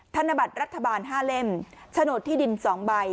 ธนบัตรรัฐบาล๕เล่มโฉนดที่ดิน๒ใบ